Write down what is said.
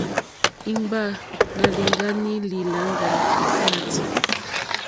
Imba nà lìŋgani li làŋga ikàati.